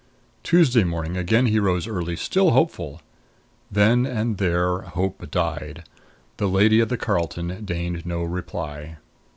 Tuesday morning again he rose early, still hopeful. Then and there hope died. The lady at the Carlton deigned no reply.